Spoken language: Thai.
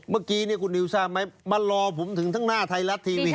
เมื่อกี้คุณนิวทราบไหมมารอผมถึงทั้งหน้าไทยรัฐทีวี